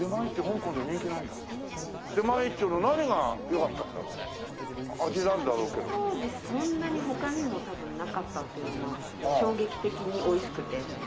当時そんなに他にも多分なかったっていうのもあって衝撃的においしくて。